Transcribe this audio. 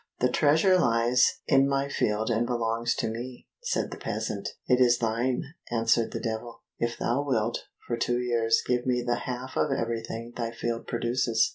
"The treasure lies in my field and belongs to me," said the peasant. "It is thine," answered the Devil, "if thou wilt for two years give me the half of everything thy field produces.